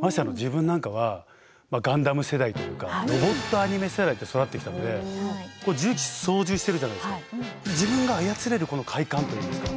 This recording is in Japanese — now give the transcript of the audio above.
まして自分なんかはガンダム世代というかロボットアニメ世代で育ってきたのでこう重機操縦してるじゃないですか自分が操れるこの快感といいますか。